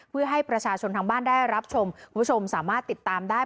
เพื่อให้ประชาชนทางบ้านได้รับชมคุณผู้ชมสามารถติดตามได้